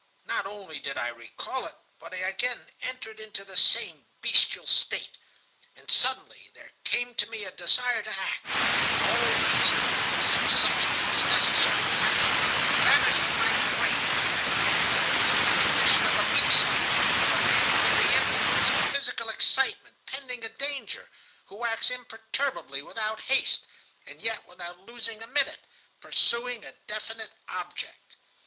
Not only did I recall it, but I again entered into the same bestial state. And suddenly there came to me a desire to act, and all reasoning, except such as was necessary to action, vanished from my brain, and I was in the condition of a beast, and of a man under the influence of physical excitement pending a danger, who acts imperturbably, without haste, and yet without losing a minute, pursuing a definite object.